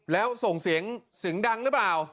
แล้วส่งเสียงเสียงดังหรือเปล่า